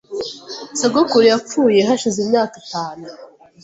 Sogokuru yapfuye hashize imyaka itanu.